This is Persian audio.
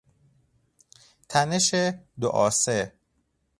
تنش دو آسه